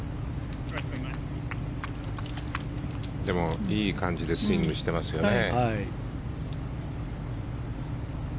でも、いい感じでスイングしていますよね。